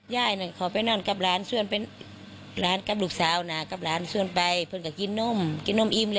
ย่ายน่ะขอไปนั่นกับหลานซ่วนไปหลานกับลูกสาวน่ะกับหลานซ่วนไปเพิ่งกับกินนม